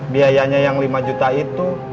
biayanya yang lima juta itu